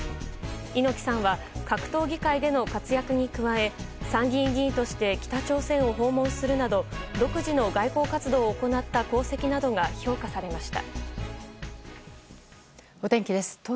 猪木さんは格闘技界での活躍に加え参議院議員として北朝鮮を訪問するなど独自の外交活動を行った功績などが評価されました。